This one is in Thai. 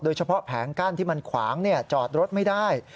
โดยเฉพาะแผงกั้นที่มันขวางจอดรถไม่ได้